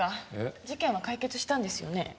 事件は解決したんですよね？